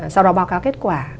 sau đó báo cáo kết quả